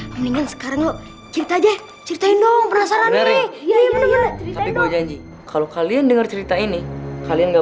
mendingan sekarang ceritain dong penasaran kalau kalian denger cerita ini kalian gak